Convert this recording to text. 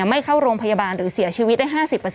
ไม่เข้าโรงพยาบาลหรือเสียชีวิตได้๕๐